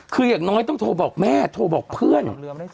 คืออย่างน้อยต้องโทรบอกแม่โทรบอกเพื่อน